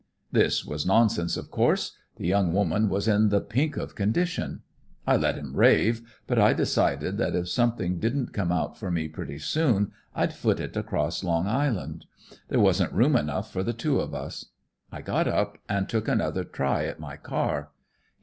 "This was nonsense, of course; the young woman was in the pink of condition. I let him rave, but I decided that if something didn't come out for me pretty soon, I'd foot it across Long Island. There wasn't room enough for the two of us. I got up and took another try at my car.